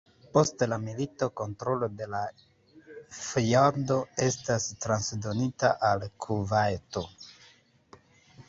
Post la milito kontrolo de la fjordo estis transdonita al Kuvajto.